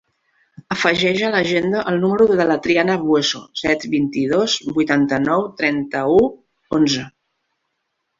Afegeix a l'agenda el número de la Triana Bueso: set, vint-i-dos, vuitanta-nou, trenta-u, onze.